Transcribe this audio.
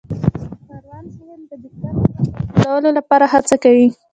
کاروان صاحب د بهتره ژوند جوړولو لپاره هڅه کوي.